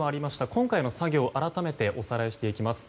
今回の作業改めておさらいしていきます。